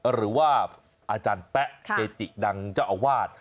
หรือว่าอาจารย์แป๊ะเกจิดังเจ้าอาวาส